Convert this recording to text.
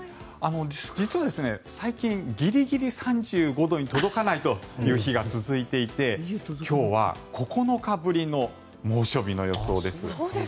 実は最近、ギリギリ３５度に届かないという日が続いていて、今日は９日ぶりの猛暑日の予想です。